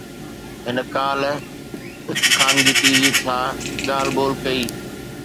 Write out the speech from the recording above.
هن ڪالهه هڪ خانگي ٽي وي چينل سان ڳالهه ٻولهه ڪئي